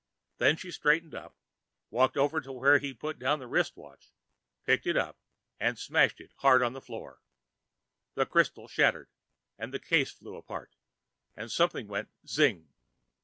Then she straightened up, walked over to where he'd put down the wristwatch, picked it up and smashed it hard on the floor. The crystal shattered, the case flew apart, and something went _zing!